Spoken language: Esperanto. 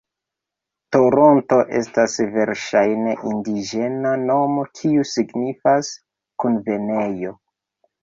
Toronto estas verŝajne indiĝena nomo kiu signifas "Kunvenejo".